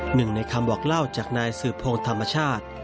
หนึ่งในคำบอกเล่าจากนายสืบพงศ์ธรรมชาติ